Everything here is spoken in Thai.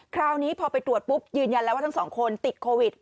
คราวนี้พอไปตรวจปุ๊บยืนยันแล้วว่าทั้งสองคนติดโควิด